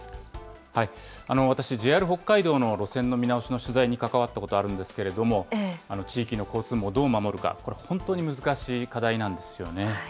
私、ＪＲ北海道の路線の見直しの取材に関わったことがあるんですけれども、地域の交通網をどう守るか、これ本当に難しい課題なんですよね。